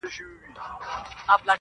د ساړه ژمي شپې ظالمي توري٫